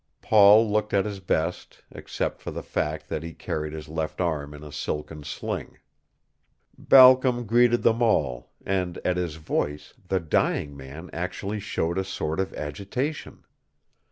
Paul looked at his best, except for the fact that he carried his left arm in a silken sling. Balcom greeted them all, and at his voice the dying man actually showed a sort of agitation.